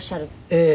ええ。